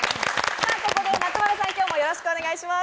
さぁ、ここで松丸さん、今日もよろしくお願いします。